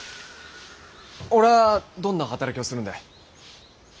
俺はどんな働きをするんで？